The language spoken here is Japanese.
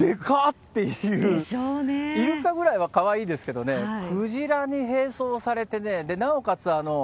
イルカぐらいはかわいいですけどね、クジラに並走されてね、なおかつ